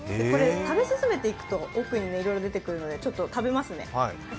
食べ進めていくと奥にいろいろ出てくるので、ちょっと食べますね。